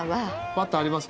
バターあります